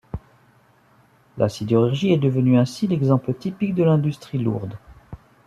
La sidérurgie est devenue ainsi l'exemple typique de l'industrie lourde.